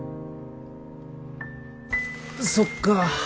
そっか。